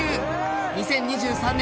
２０２３年